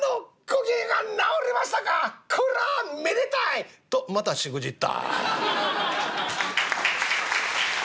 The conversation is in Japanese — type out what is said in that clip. こらめでたい！」とまたしくじった。